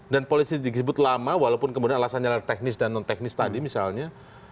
dan polisi disebut lama walaupun kemudian alasannya teknis dan non teknis tadi misalnya